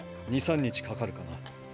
２３日かかるかな。